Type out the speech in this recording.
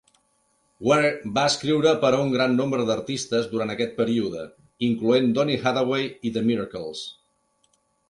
Ware va escriure per a un gran nombre d'artistes durant aquest període, incloent Donny Hathaway i The Miracles.